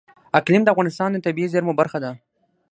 اقلیم د افغانستان د طبیعي زیرمو برخه ده.